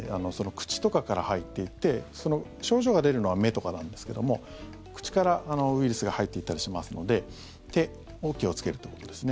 口とかから入っていって症状が出るのは目とかなんですけども口からウイルスが入っていったりしますので手を気をつけることですね。